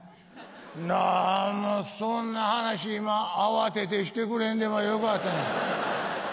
何もそんな話今慌ててしてくれんでもよかったんや。